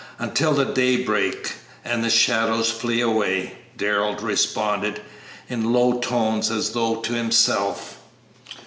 "'Until the day break and the shadows flee away,'" Darrell responded, in low tones, as though to himself.